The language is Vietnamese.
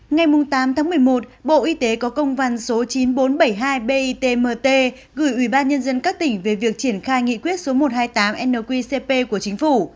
ngày tám tháng một mươi một bộ y tế có công văn số chín nghìn bốn trăm bảy mươi hai bitmt gửi ủy ban nhân dân các tỉnh về việc triển khai nghị quyết số một trăm hai mươi tám nqcp của chính phủ